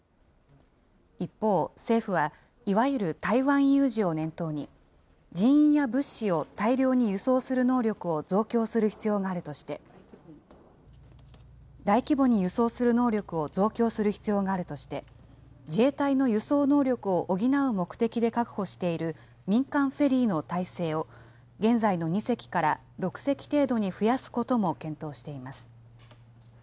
一方、政府はいわゆる台湾有事を念頭に、人員や物資を大量に輸送する能力を増強する必要があるとして、大規模に輸送する能力を増強する必要があるとして、自衛隊の輸送能力を補う目的で確保している民間フェリーの体制を、現在の２隻から６隻程度に増やすことも検討しています。